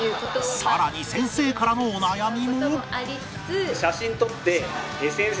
さらに先生からのお悩みも